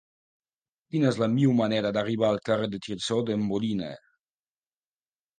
Quina és la millor manera d'arribar al carrer de Tirso de Molina?